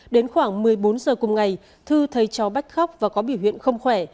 đến khoảng một mươi bốn giờ cùng ngày thư thấy cháu bách khóc và có biểu hiện không khỏe